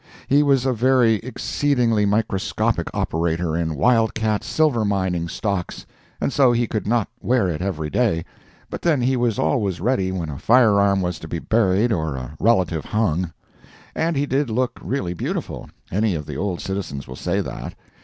He was a very exceedingly microscopic operator in wild cat silver mining stocks, and so he could not wear it every day; but then he was always ready when a fireman was to be buried or a relative hung. And he did look really beautiful, any of the old citizens will say that.